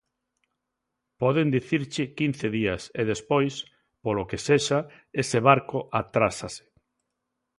Poden dicirche quince días e despois, polo que sexa, ese barco atrásase.